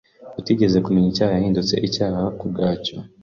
Utigeze kumenya icyaha yahindutse icyaha ku bwacu.